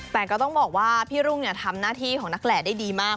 แต่ก็ต้องบอกว่าพี่รุ่งทำหน้าที่ของนักแหล่ได้ดีมาก